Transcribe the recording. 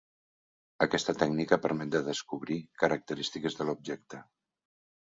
Aquesta tècnica permet de descobrir característiques de l'objecte.